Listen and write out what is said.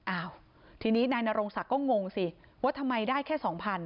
อ้าวทีนี้นายนรงศักดิ์ก็งงสิว่าทำไมได้แค่๒๐๐